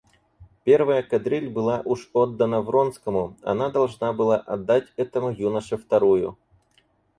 Первая кадриль была уж отдана Вронскому, она должна была отдать этому юноше вторую.